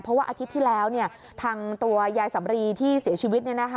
เพราะว่าอาทิตย์ที่แล้วทางตัวยายสำรีที่เสียชีวิต